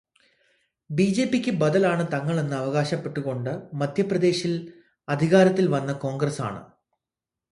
ബിജെപിക്കു ബദലാണ് തങ്ങള് എന്ന് അവകാശപ്പെട്ടുകൊണ്ട് മധ്യപ്രദേശില് അധികാരത്തില് വന്ന കോണ്ഗ്രസ്സാണ്